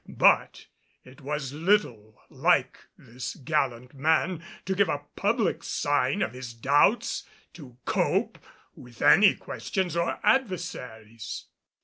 But it was little like this gallant man to give a public sign of his doubts to cope with any questions or adversaries.